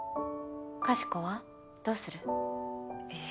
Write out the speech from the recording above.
かしこはどうする？